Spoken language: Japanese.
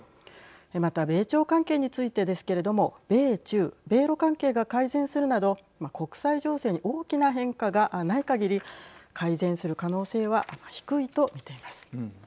また米朝関係についてですけれども米中、米ロ関係が改善するなど国際情勢に大きな変化がない限り改善する可能性は低いと見ています。